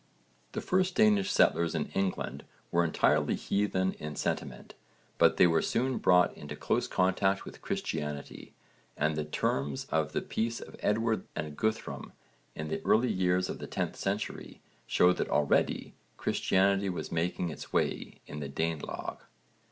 The first Danish settlers in England were entirely heathen in sentiment, but they were soon brought into close contact with Christianity, and the terms of the peace of Edward and Guthrum in the early years of the 10th century show that already Christianity was making its way in the Danelagh.